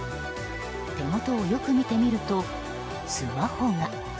手元をよく見てみるとスマホが。